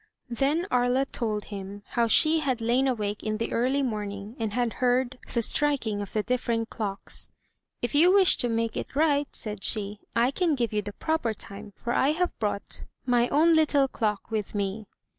Then Aria told him how she had lain awake in the early morn ing, and had heard the striking of the different clocks. "If you wish to make it right," said she, "I can give you the proper time, for I have brought my own little clock with me."